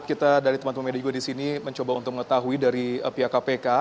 kita dari teman teman media juga di sini mencoba untuk mengetahui dari pihak kpk